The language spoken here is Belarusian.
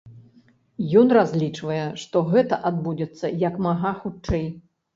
Ён разлічвае, што гэта адбудзецца як мага хутчэй.